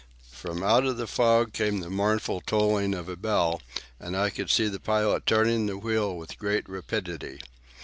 From out of the fog came the mournful tolling of a bell, and I could see the pilot turning the wheel with great rapidity.